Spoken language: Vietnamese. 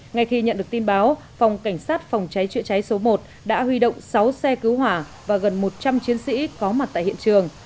ngay khi nhận được tin báo phòng cảnh sát phòng cháy chữa cháy số một đã huy động sáu xe cứu hỏa và gần một trăm linh chiến sĩ có mặt tại hiện trường